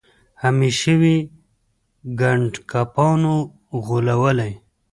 همېشه وي ګنډکپانو غولولی